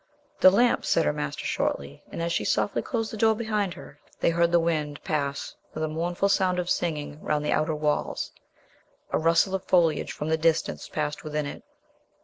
"The lamps," said her master shortly, and as she softly closed the door behind her, they heard the wind pass with a mournful sound of singing round the outer walls. A rustle of foliage from the distance passed within it.